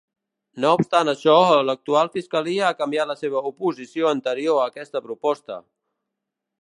No obstant això, l'actual fiscalia ha canviat la seva oposició anterior a aquesta proposta.